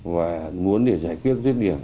và muốn để giải quyết rết điểm